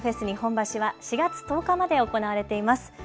日本橋は４月１０日まで行われています。